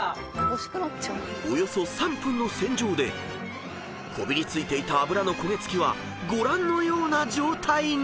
［およそ３分の洗浄でこびりついていた油の焦げ付きはご覧のような状態に］